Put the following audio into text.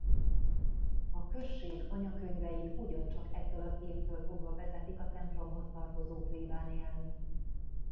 A község anyakönyveit ugyancsak ettől az évtől fogva vezetik a templomhoz tartozó plébánián.